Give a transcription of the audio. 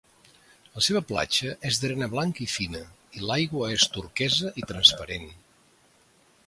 La seva platja és d'arena blanca i fina i l'aigua és turquesa i transparent.